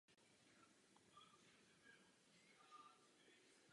V současnosti jsou nejčastěji používány.